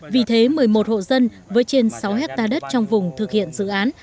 vì thế một mươi một hộ dân với trên sáu hectare đất trong vùng thực hiện dự án